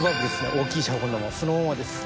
大きいシャボン玉そのままです。